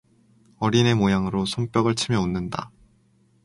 어린애 모양으로 손뼉을 치며 웃는다.